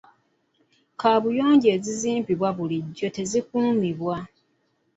Kaabuyonjo ezizimbibwa bulijjo tezikuumibwa.